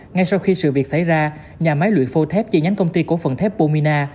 ngay sau khi sự việc xảy ra nhà máy luyện phô thép chi nhánh công ty cổ phần thép pomina